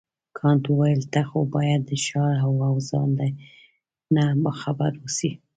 کانت وویل ته خو باید د ښار له اوضاع نه باخبره اوسې.